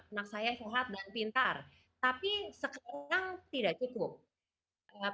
anak saya sehat dan pintar tapi sekarang tidak cukup